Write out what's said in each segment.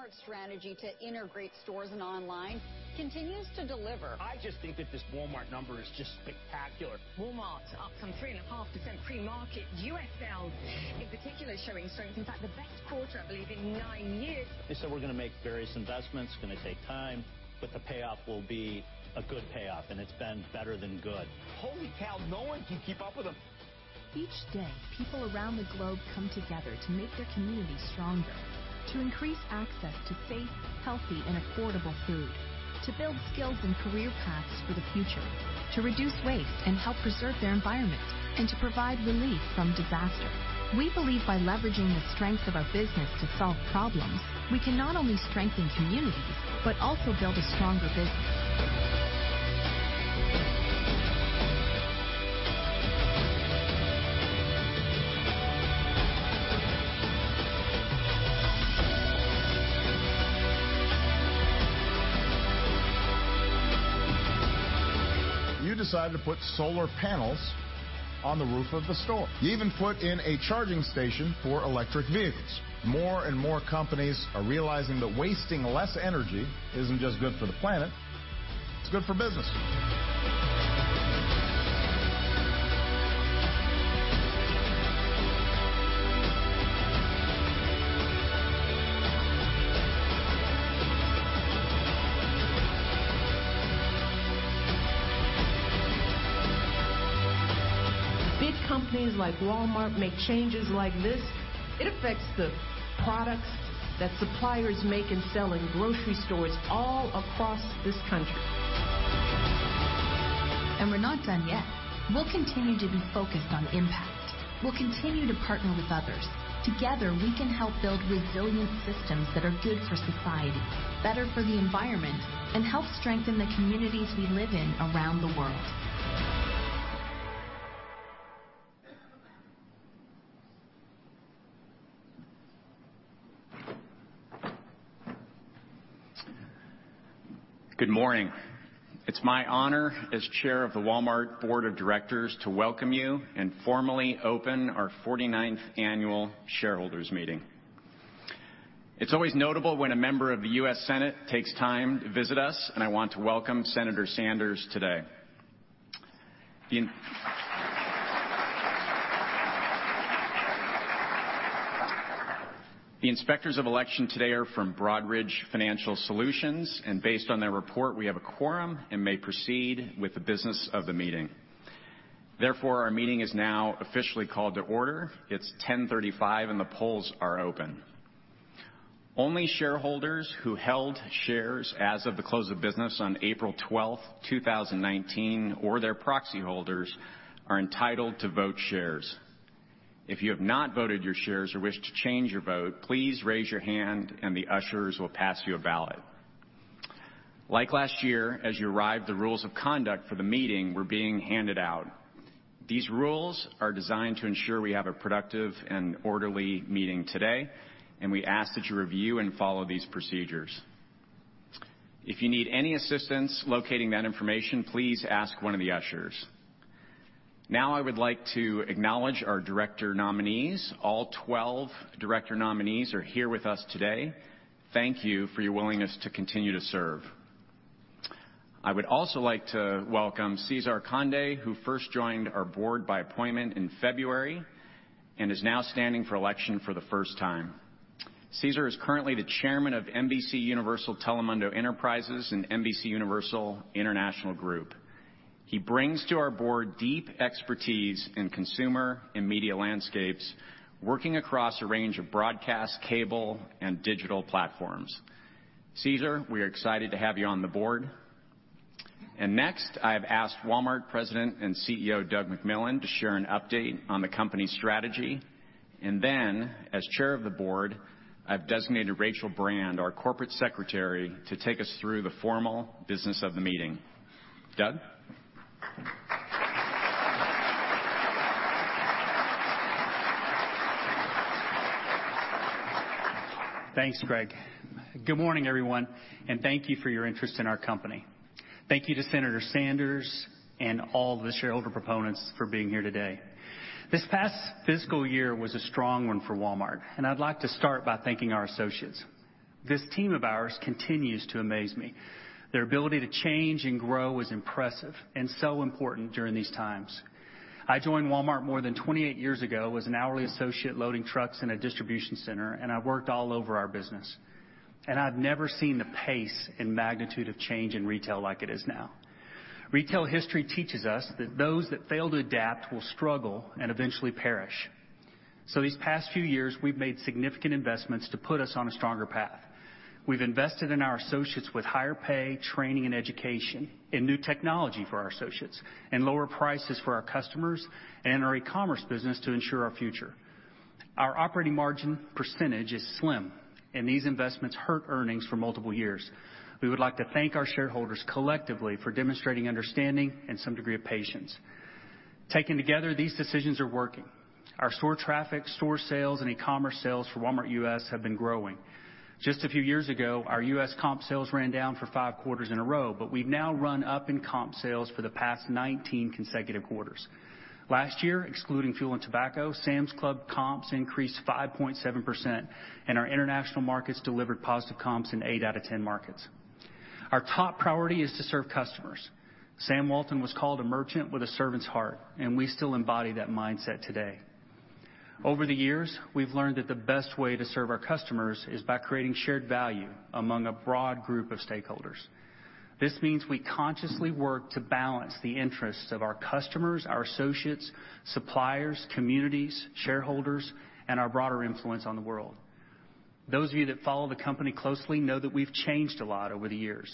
Walmart's strategy to integrate stores and online continues to deliver. I just think that this Walmart number is just spectacular. Walmart up some 3.5% pre-market. U.S. sales in particular showing strength. In fact, the best quarter, I believe, in nine years. They said, "We're going to make various investments. It's going to take time, but the payoff will be a good payoff." It's been better than good. Holy cow, no one can keep up with them. Each day, people around the globe come together to make their communities stronger, to increase access to safe, healthy, and affordable food, to build skills and career paths for the future, to reduce waste and help preserve their environment, and to provide relief from disaster. We believe by leveraging the strength of our business to solve problems, we can not only strengthen communities but also build a stronger business. You decided to put solar panels on the roof of the store. You even put in a charging station for electric vehicles. More and more companies are realizing that wasting less energy isn't just good for the planet, it's good for business. Big companies like Walmart make changes like this. It affects the products that suppliers make and sell in grocery stores all across this country. We're not done yet. We'll continue to be focused on impact. We'll continue to partner with others. Together, we can help build resilient systems that are good for society, better for the environment, and help strengthen the communities we live in around the world. Good morning. It's my honor as Chair of the Walmart Board of Directors to welcome you and formally open our 49th annual shareholders meeting. It's always notable when a member of the U.S. Senate takes time to visit us. I want to welcome Senator Sanders today. The inspectors of election today are from Broadridge Financial Solutions. Based on their report, we have a quorum and may proceed with the business of the meeting. Therefore, our meeting is now officially called to order. It's 10:35, and the polls are open. Only shareholders who held shares as of the close of business on April 12th, 2019, or their proxy holders are entitled to vote shares. If you have not voted your shares or wish to change your vote, please raise your hand and the ushers will pass you a ballot. Like last year, as you arrived, the rules of conduct for the meeting were being handed out. These rules are designed to ensure we have a productive and orderly meeting today. We ask that you review and follow these procedures. If you need any assistance locating that information, please ask one of the ushers. Now I would like to acknowledge our director nominees. All 12 director nominees are here with us today. Thank you for your willingness to continue to serve. I would also like to welcome Cesar Conde, who first joined our Board by appointment in February. Is now standing for election for the first time. Cesar is currently the Chairman of NBCUniversal Telemundo Enterprises and NBCUniversal International Networks. He brings to our Board deep expertise in consumer and media landscapes, working across a range of broadcast, cable, and digital platforms. Cesar, we are excited to have you on the Board. Next, I've asked Walmart President and CEO, Doug McMillon, to share an update on the company's strategy. As Chair of the Board, I've designated Rachel Brand, our Corporate Secretary, to take us through the formal business of the meeting. Doug? Thanks, Greg. Good morning, everyone. Thank you for your interest in our company. Thank you to Senator Sanders and all the shareholder proponents for being here today. This past fiscal year was a strong one for Walmart. I'd like to start by thanking our associates. This team of ours continues to amaze me. Their ability to change and grow is impressive and so important during these times. I joined Walmart more than 28 years ago as an hourly associate loading trucks in a distribution center. I've worked all over our business. I've never seen the pace and magnitude of change in retail like it is now. Retail history teaches us that those that fail to adapt will struggle and eventually perish. These past few years, we've made significant investments to put us on a stronger path. We've invested in our associates with higher pay, training, and education, in new technology for our associates, and lower prices for our customers, and our e-commerce business to ensure our future. Our operating margin percentage is slim. These investments hurt earnings for multiple years. We would like to thank our shareholders collectively for demonstrating understanding and some degree of patience. Taken together, these decisions are working. Our store traffic, store sales, and e-commerce sales for Walmart U.S. have been growing. Just a few years ago, our U.S. comp sales ran down for 5 quarters in a row. We've now run up in comp sales for the past 19 consecutive quarters. Last year, excluding fuel and tobacco, Sam's Club comps increased 5.7%. Our international markets delivered positive comps in 8 out of 10 markets. Our top priority is to serve customers. Sam Walton was called a merchant with a servant's heart. We still embody that mindset today. Over the years, we've learned that the best way to serve our customers is by creating shared value among a broad group of stakeholders. This means we consciously work to balance the interests of our customers, our associates, suppliers, communities, shareholders, and our broader influence on the world. Those of you that follow the company closely know that we've changed a lot over the years.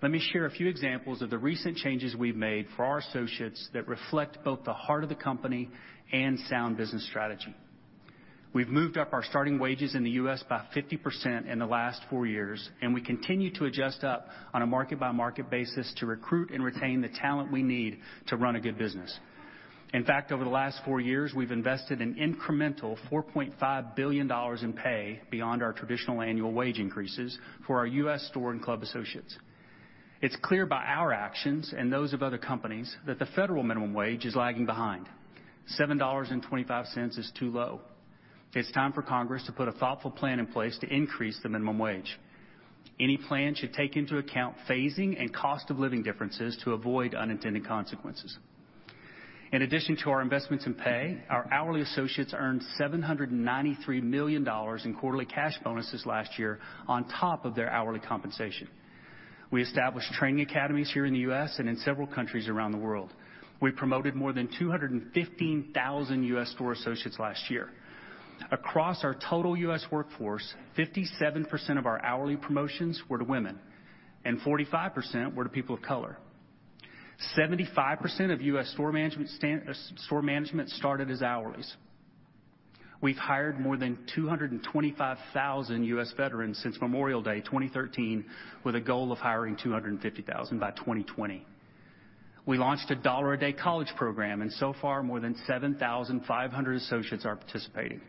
Let me share a few examples of the recent changes we've made for our associates that reflect both the heart of the company and sound business strategy. We've moved up our starting wages in the U.S. by 50% in the last 4 years. We continue to adjust up on a market-by-market basis to recruit and retain the talent we need to run a good business. In fact, over the last 4 years, we've invested an incremental $4.5 billion in pay beyond our traditional annual wage increases for our U.S. store and club associates. It's clear by our actions and those of other companies that the federal minimum wage is lagging behind. $7.25 is too low. It's time for Congress to put a thoughtful plan in place to increase the minimum wage. Any plan should take into account phasing and cost of living differences to avoid unintended consequences. In addition to our investments in pay, our hourly associates earned $793 million in quarterly cash bonuses last year on top of their hourly compensation. We established training academies here in the U.S. and in several countries around the world. We promoted more than 215,000 U.S. store associates last year. Across our total U.S. workforce, 57% of our hourly promotions were to women. 45% were to people of color. 75% of U.S. store management started as hourlies. We've hired more than 225,000 U.S. veterans since Memorial Day 2013, with a goal of hiring 250,000 by 2020. We launched a Dollar a Day college program. So far more than 7,500 associates are participating.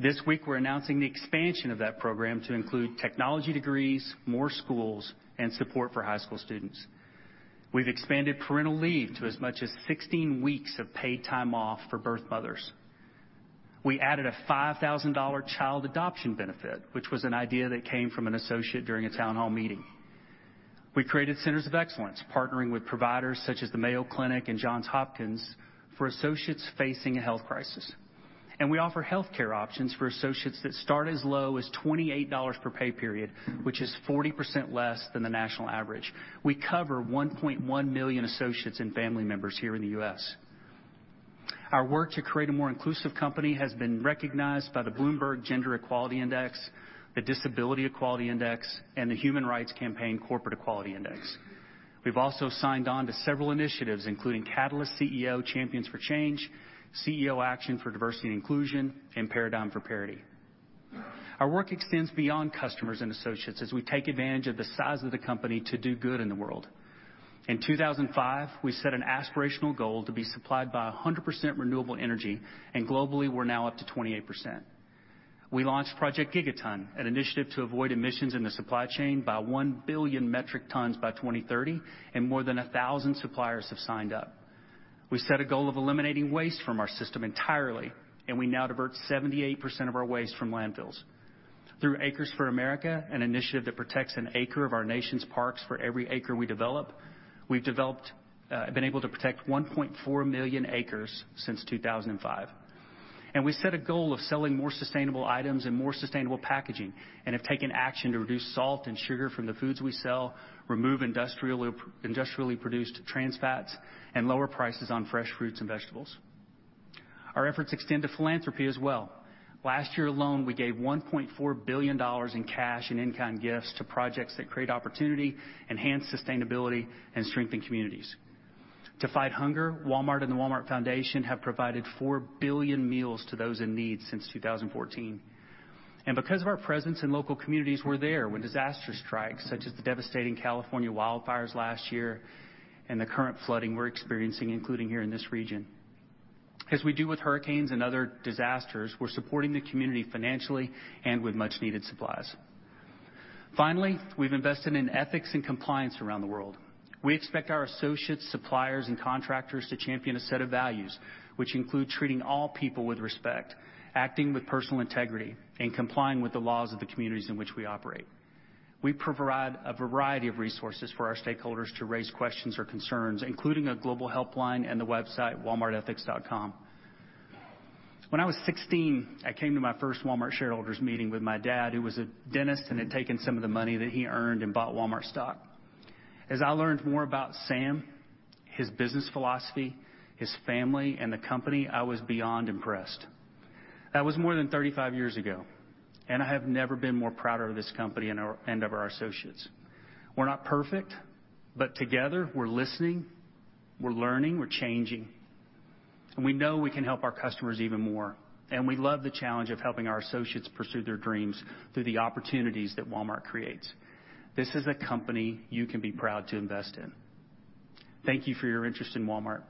This week, we're announcing the expansion of that program to include technology degrees, more schools, and support for high school students. We've expanded parental leave to as much as 16 weeks of paid time off for birth mothers. We added a $5,000 child adoption benefit, which was an idea that came from an associate during a town hall meeting. We created centers of excellence, partnering with providers such as the Mayo Clinic and Johns Hopkins for associates facing a health crisis. We offer healthcare options for associates that start as low as $28 per pay period, which is 40% less than the national average. We cover 1.1 million associates and family members here in the U.S. Our work to create a more inclusive company has been recognized by the Bloomberg Gender-Equality Index, the Disability Equality Index, and the Human Rights Campaign Corporate Equality Index. We've also signed on to several initiatives, including Catalyst CEO Champions For Change, CEO Action for Diversity & Inclusion, and Paradigm for Parity. Our work extends beyond customers and associates as we take advantage of the size of the company to do good in the world. In 2005, we set an aspirational goal to be supplied by 100% renewable energy, and globally, we're now up to 28%. We launched Project Gigaton, an initiative to avoid emissions in the supply chain by 1 billion metric tons by 2030, and more than 1,000 suppliers have signed up. We set a goal of eliminating waste from our system entirely, and we now divert 78% of our waste from landfills. Through Acres for America, an initiative that protects an acre of our nation's parks for every acre we develop, we've been able to protect 1.4 million acres since 2005. We set a goal of selling more sustainable items and more sustainable packaging and have taken action to reduce salt and sugar from the foods we sell, remove industrially produced trans fats, and lower prices on fresh fruits and vegetables. Our efforts extend to philanthropy as well. Last year alone, we gave $1.4 billion in cash and in-kind gifts to projects that create opportunity, enhance sustainability, and strengthen communities. To fight hunger, Walmart and the Walmart Foundation have provided 4 billion meals to those in need since 2014. Because of our presence in local communities, we're there when disaster strikes, such as the devastating California wildfires last year and the current flooding we're experiencing, including here in this region. As we do with hurricanes and other disasters, we're supporting the community financially and with much needed supplies. Finally, we've invested in ethics and compliance around the world. We expect our associates, suppliers, and contractors to champion a set of values, which include treating all people with respect, acting with personal integrity, and complying with the laws of the communities in which we operate. We provide a variety of resources for our stakeholders to raise questions or concerns, including a global helpline and the website walmartethics.com. When I was 16, I came to my first Walmart shareholders meeting with my dad, who was a dentist and had taken some of the money that he earned and bought Walmart stock. As I learned more about Sam, his business philosophy, his family, and the company, I was beyond impressed. That was more than 35 years ago, I have never been more prouder of this company and of our associates. We're not perfect, but together, we're listening, we're learning, we're changing. We know we can help our customers even more, and we love the challenge of helping our associates pursue their dreams through the opportunities that Walmart creates. This is a company you can be proud to invest in. Thank you for your interest in Walmart.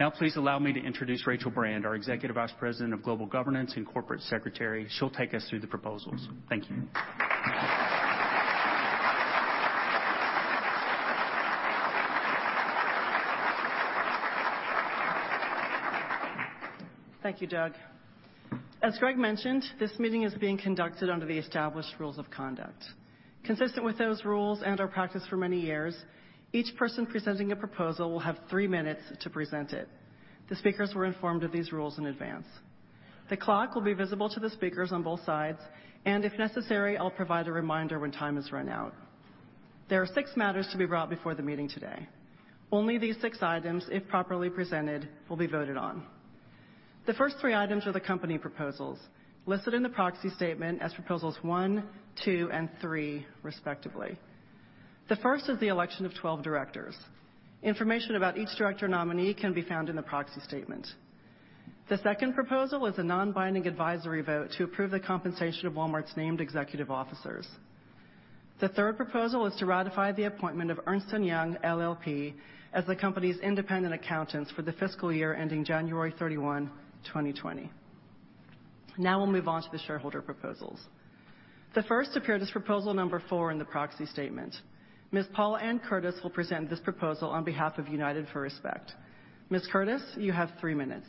Now please allow me to introduce Rachel Brand, our Executive Vice President of Global Governance and Corporate Secretary. She'll take us through the proposals. Thank you. Thank you, Doug. As Greg mentioned, this meeting is being conducted under the established rules of conduct. Consistent with those rules and our practice for many years, each person presenting a proposal will have three minutes to present it. The speakers were informed of these rules in advance. The clock will be visible to the speakers on both sides, and if necessary, I'll provide a reminder when time has run out. There are six matters to be brought before the meeting today. Only these six items, if properly presented, will be voted on. The first three items are the company proposals, listed in the proxy statement as proposals one, two, and three, respectively. The first is the election of 12 directors. Information about each director nominee can be found in the proxy statement. The second proposal is a non-binding advisory vote to approve the compensation of Walmart's named executive officers. The third proposal is to ratify the appointment of Ernst & Young LLP as the company's independent accountants for the fiscal year ending January 31, 2020. Now we'll move on to the shareholder proposals. The first appeared as proposal number four in the proxy statement. Ms. Paula Ann Curtis will present this proposal on behalf of United for Respect. Ms. Curtis, you have three minutes.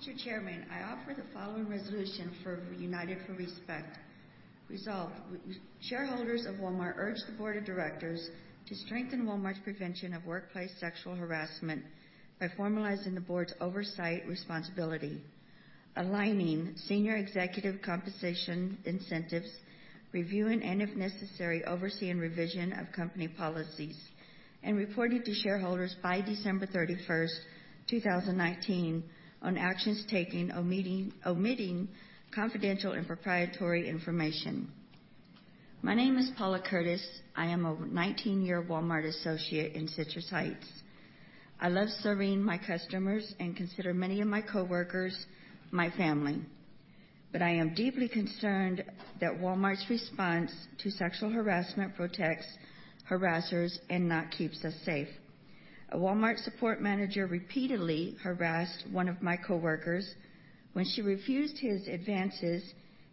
Mr. Chairman, I offer the following resolution for United for Respect. Resolved, shareholders of Walmart urge the board of directors to strengthen Walmart's prevention of workplace sexual harassment by formalizing the board's oversight responsibility, aligning senior executive compensation incentives, reviewing, and if necessary, overseeing revision of company policies, and reporting to shareholders by December 31st, 2019, on actions taken, omitting confidential and proprietary information. My name is Paula Curtis. I am a 19-year Walmart associate in Citrus Heights. I love serving my customers and consider many of my coworkers my family. I am deeply concerned that Walmart's response to sexual harassment protects harassers and not keeps us safe. A Walmart support manager repeatedly harassed one of my coworkers. When she refused his advances,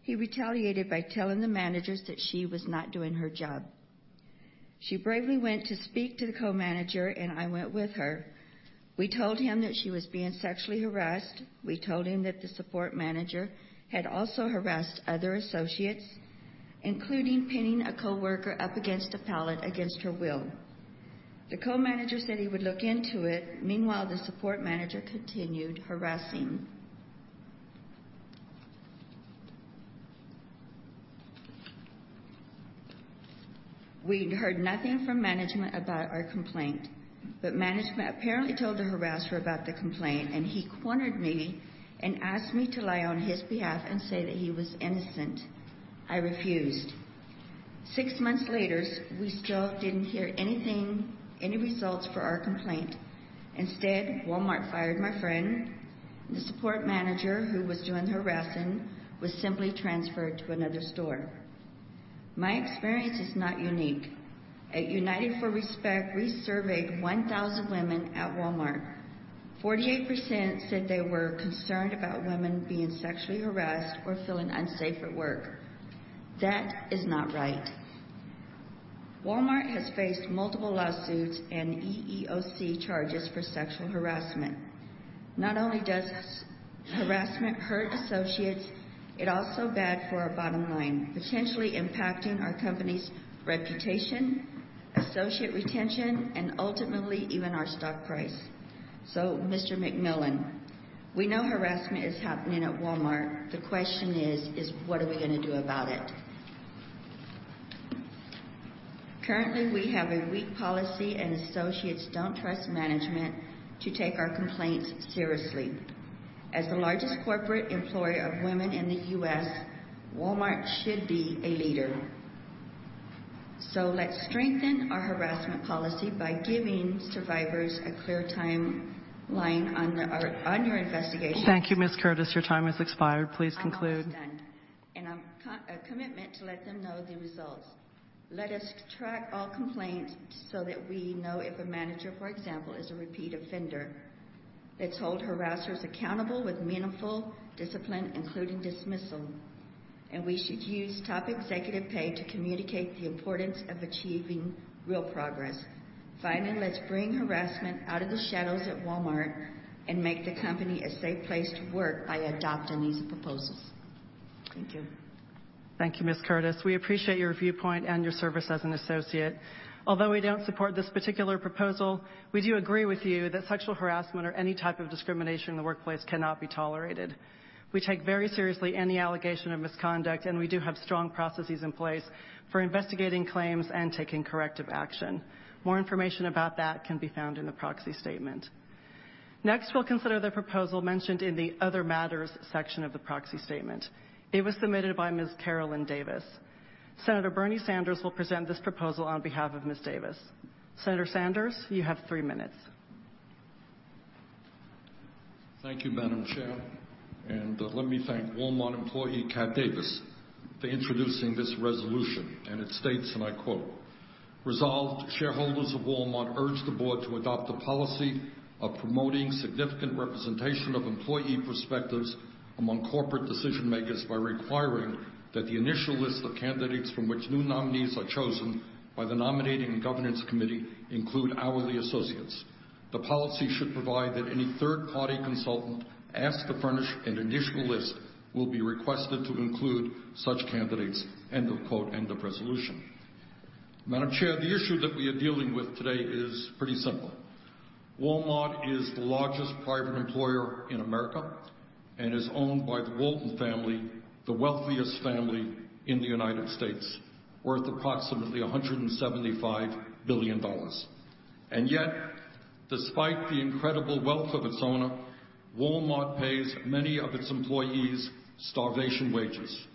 he retaliated by telling the managers that she was not doing her job. She bravely went to speak to the co-manager, and I went with her. We told him that she was being sexually harassed. We told him that the support manager had also harassed other associates, including pinning a coworker up against a pallet against her will. The co-manager said he would look into it. Meanwhile, the support manager continued harassing. We'd heard nothing from management about our complaint, but management apparently told the harasser about the complaint, and he cornered me and asked me to lie on his behalf and say that he was innocent. I refused. Six months later, we still didn't hear any results for our complaint. Instead, Walmart fired my friend. The support manager who was doing the harassing was simply transferred to another store. My experience is not unique. At United for Respect, we surveyed 1,000 women at Walmart. 48% said they were concerned about women being sexually harassed or feeling unsafe at work. That is not right. Walmart has faced multiple lawsuits and EEOC charges for sexual harassment. Not only does harassment hurt associates, it also bad for our bottom line, potentially impacting our company's reputation, associate retention, and ultimately even our stock price. Mr. McMillon, we know harassment is happening at Walmart. The question is, what are we going to do about it? Currently, we have a weak policy, and associates don't trust management to take our complaints seriously. As the largest corporate employer of women in the U.S., Walmart should be a leader. Let's strengthen our harassment policy by giving survivors a clear timeline on your investigation. Thank you, Ms. Curtis. Your time has expired. Please conclude. I'm almost done. A commitment to let them know the results. Let us track all complaints so that we know if a manager, for example, is a repeat offender. Let's hold harassers accountable with meaningful discipline, including dismissal. We should use top executive pay to communicate the importance of achieving real progress. Finally, let's bring harassment out of the shadows at Walmart and make the company a safe place to work by adopting these proposals. Thank you. Thank you, Ms. Curtis. We appreciate your viewpoint and your service as an associate. Although we don't support this particular proposal, we do agree with you that sexual harassment or any type of discrimination in the workplace cannot be tolerated. We take very seriously any allegation of misconduct, and we do have strong processes in place for investigating claims and taking corrective action. More information about that can be found in the proxy statement. Next, we'll consider the proposal mentioned in the other matters section of the proxy statement. It was submitted by Ms. Carolyn Davis. Senator Bernie Sanders will present this proposal on behalf of Ms. Davis. Senator Sanders, you have three minutes. Let me thank Walmart employee Kat Davis for introducing this resolution, and it states, and I quote, "Resolved shareholders of Walmart urge the board to adopt a policy of promoting significant representation of employee perspectives among corporate decision-makers by requiring that the initial list of candidates from which new nominees are chosen by the nominating and governance committee include hourly associates. The policy should provide that any third-party consultant asked to furnish an initial list will be requested to include such candidates," end of quote, end of resolution. Madam Chair, the issue that we are dealing with today is pretty simple. Walmart is the largest private employer in America and is owned by the Walton family, the wealthiest family in the United States, worth approximately $175 billion. Yet, despite the incredible wealth of its owner, Walmart pays many of its employees starvation wages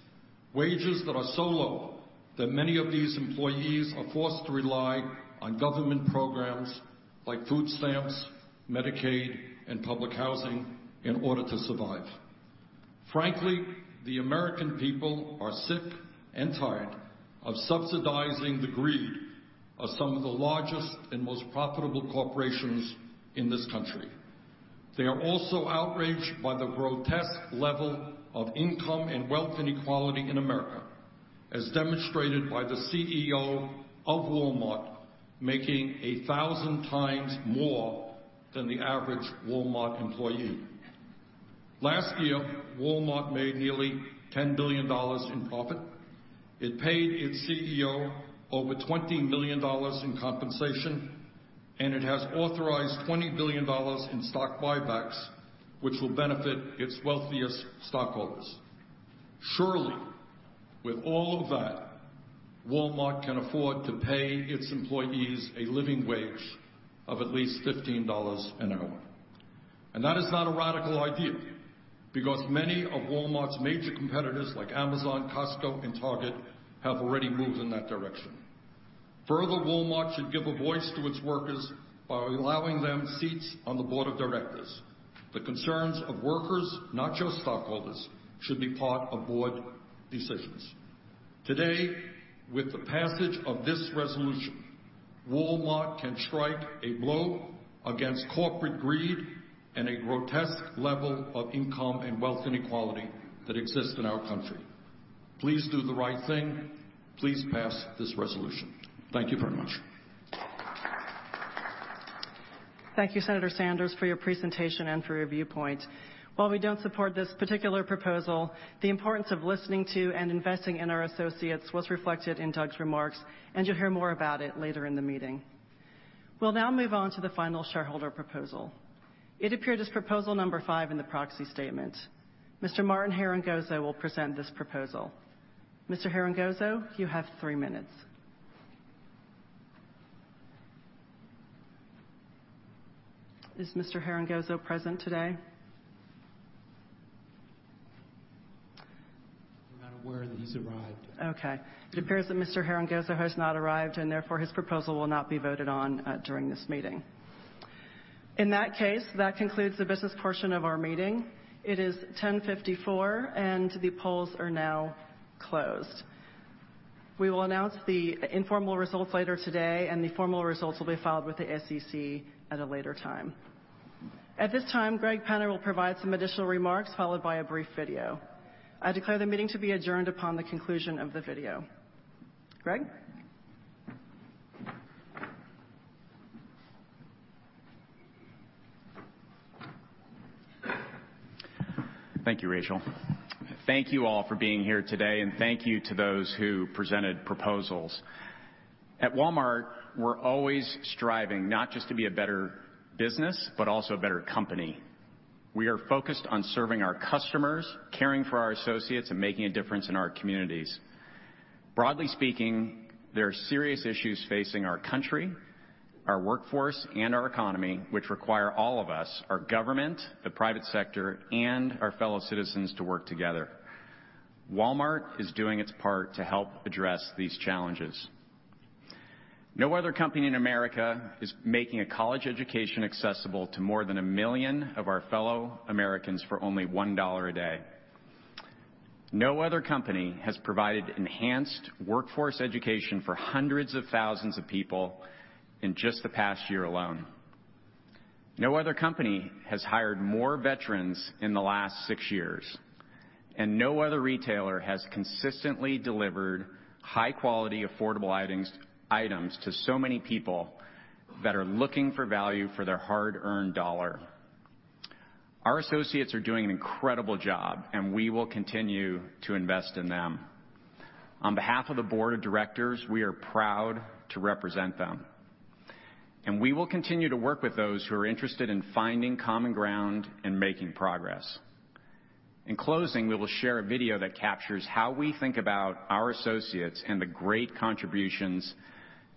that are so low that many of these employees are forced to rely on government programs like food stamps, Medicaid, and public housing in order to survive. Frankly, the American people are sick and tired of subsidizing the greed of some of the largest and most profitable corporations in this country. They are also outraged by the grotesque level of income and wealth inequality in America, as demonstrated by the CEO of Walmart making a thousand times more than the average Walmart employee. Last year, Walmart made nearly $10 billion in profit. It paid its CEO over $20 million in compensation, and it has authorized $20 billion in stock buybacks, which will benefit its wealthiest stockholders. Surely, with all of that, Walmart can afford to pay its employees a living wage of at least $15 an hour. That is not a radical idea, because many of Walmart's major competitors like Amazon, Costco, and Target, have already moved in that direction. Further, Walmart should give a voice to its workers by allowing them seats on the board of directors. The concerns of workers, not just stockholders, should be part of board decisions. Today, with the passage of this resolution, Walmart can strike a blow against corporate greed and a grotesque level of income and wealth inequality that exists in our country. Please do the right thing. Please pass this resolution. Thank you very much. Thank you, Senator Sanders, for your presentation and for your viewpoint. While we don't support this particular proposal, the importance of listening to and investing in our associates was reflected in Doug's remarks, and you'll hear more about it later in the meeting. We'll now move on to the final shareholder proposal. It appeared as proposal number five in the proxy statement. Mr. Martin Harangozo will present this proposal. Mr. Harangozo, you have three minutes. Is Mr. Harangozo present today? I'm not aware that he's arrived. Okay. It appears that Mr. Herngozo has not arrived, and therefore, his proposal will not be voted on during this meeting. In that case, that concludes the business portion of our meeting. It is 10:54 A.M., and the polls are now closed. We will announce the informal results later today, and the formal results will be filed with the SEC at a later time. At this time, Greg Penner will provide some additional remarks, followed by a brief video. I declare the meeting to be adjourned upon the conclusion of the video. Greg? Thank you, Rachel. Thank you all for being here today, and thank you to those who presented proposals. At Walmart, we're always striving not just to be a better business, but also a better company. We are focused on serving our customers, caring for our associates, and making a difference in our communities. Broadly speaking, there are serious issues facing our country, our workforce, and our economy, which require all of us, our government, the private sector, and our fellow citizens to work together. Walmart is doing its part to help address these challenges. No other company in America is making a college education accessible to more than a million of our fellow Americans for only $1 a day. No other company has provided enhanced workforce education for hundreds of thousands of people in just the past year alone. No other company has hired more veterans in the last six years, and no other retailer has consistently delivered high quality, affordable items to so many people that are looking for value for their hard-earned dollar. Our associates are doing an incredible job, and we will continue to invest in them. On behalf of the board of directors, we are proud to represent them. We will continue to work with those who are interested in finding common ground and making progress. In closing, we will share a video that captures how we think about our associates and the great contributions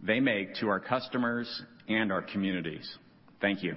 they make to our customers and our communities. Thank you.